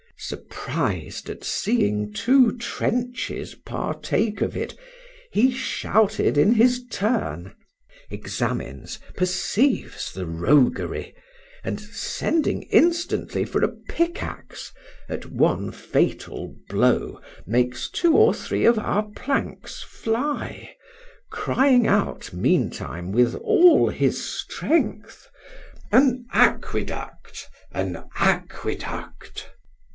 Surprised at seeing two trenches partake of it, he shouted in his turn, examines, perceives the roguery, and, sending instantly for a pick axe, at one fatal blow makes two or three of our planks fly, crying out meantime with all his strength, an aqueduct! an aqueduct!